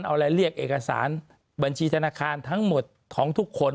เอาอะไรเรียกเอกสารบัญชีธนาคารทั้งหมดของทุกคน